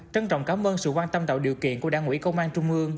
trân trọng cảm ơn sự quan tâm tạo điều kiện của đảng ủy công an trung ương